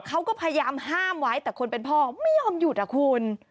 เขาก็พยายามห้ามไว้แต่คนเป็นพ่อไม่ยอมหยุดอ่ะคุณ